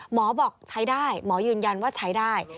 หมอบอกใช้ได้หมอยืนยันว่าใช้ได้